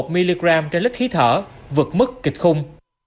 một mg trên lít khí thở vượt mức kịch khung